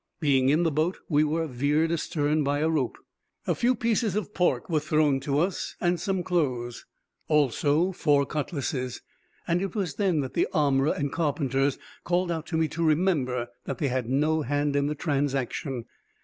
Being in the boat, we were veered astern by a rope. A few pieces of pork were thrown to us, and some clothes, also four cutlasses; and it was then that the armorer and carpenters called out to me to remember that they had no hand in the transaction.